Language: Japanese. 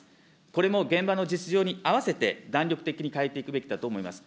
これも現場の実情に合わせて、断続的に変えていくべきだと思います。